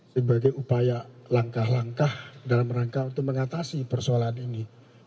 sebagai upaya langkah langkah dalam rangka untuk mengatasi persoalan ini